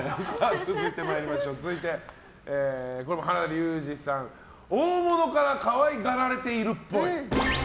続いて、これも原田龍二さん大物から可愛がられているっぽい。